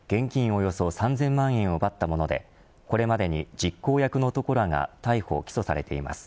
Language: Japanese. およそ３０００万円を奪ったものでこれまでに実行役の男らが逮捕、起訴されています。